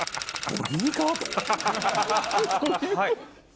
はい。